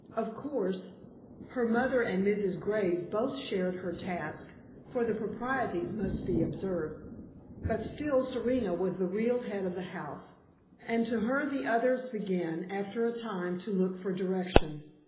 Of course, her mother and Mrs. Graves both shared her task, for the proprieties must be observed. But still Serena was the real head of the house, and to her the others began, after a time, to look for direction.